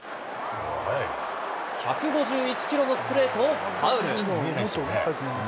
１５１キロのストレートをファウル。